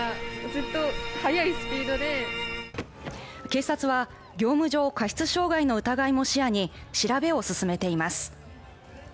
警察は業務上過失傷害の疑いも視野に調べを進めています。